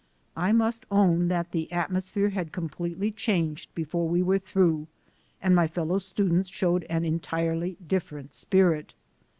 I must own that the atmos phere had completely changed before we were through, and my fellow students showed an entirely different spirit.